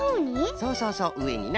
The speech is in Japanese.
そうそうそううえにな。